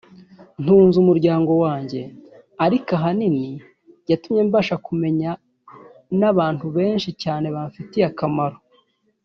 ntunze umuryango wanjye ariko ahanini yatumye mbasha kumenya n'abantu benshi cyane bamfitiye akamaro